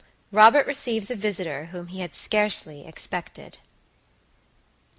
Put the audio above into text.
ROBERT RECEIVES A VISITOR WHOM HE HAD SCARCELY EXPECTED.